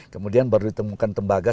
kemudian baru ditemukan tembaga